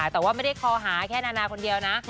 เราได้คอหาแค่นานาคนเดียวนะ